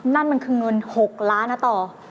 นั่นมันคือเงิน๖ล้านนะต่อ